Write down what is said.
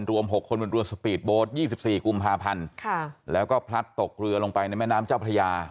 รวม๖คนบนเรือสปีดโบสต์๒๔กุมภาพันธ์แล้วก็พลัดตกเรือลงไปในแม่น้ำเจ้าพระยา